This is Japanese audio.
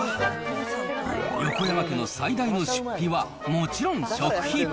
横山家の最大の出費はもちろん食費。